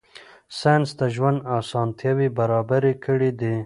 ساینس د ژوند اسانتیاوې برابرې کړې دي.